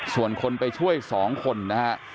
ส่วนคนไปช่วย๒คนนะฮะ